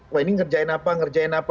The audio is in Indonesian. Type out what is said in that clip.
wah ini ngerjain apa ngerjain apa